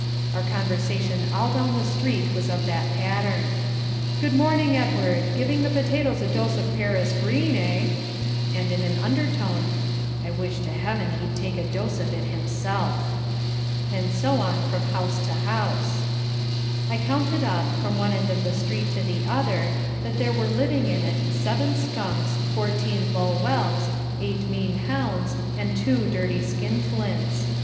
Our conversation all down the street was of that pattern. "Good morning, Edward! Giving the potatoes a dose of Paris green, eh?" And in an undertone "I wish to Heaven he'd take a dose of it himself." And so on from house to house. I counted up, from one end of the street to the other, that there were living in it seven skunks, fourteen low whelps, eight mean hounds and two dirty skinflints.